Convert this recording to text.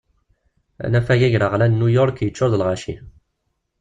Anafag agraɣlan n New York yeččur d lɣaci.